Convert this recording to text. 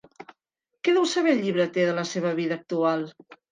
Què deu saber el llibreter de la seva vida actual?